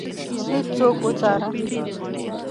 هیڅوک وڅاره.